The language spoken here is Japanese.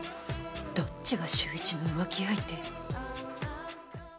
どっちが秀一の浮気相手？